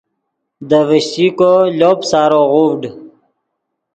دے ڤشچیکو لوپ سارو غوڤڈ